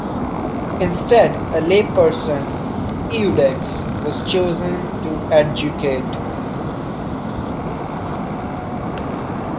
Instead a lay person, "iudex", was chosen to adjudicate.